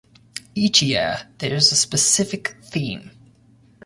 Each year there is a specific theme.